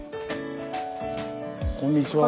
こんにちは。